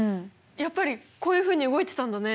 やっぱりこういうふうに動いてたんだね。